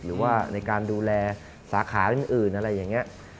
หรือว่าในการดูแลสาขาอื่นอะไรอย่างนี้